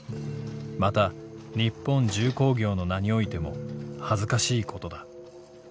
又日本重工業の名に於いても恥ずかしいことだ。